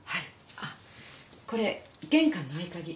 あっこれ玄関の合鍵。